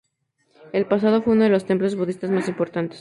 En el pasado, fue uno de los templos budistas más importantes.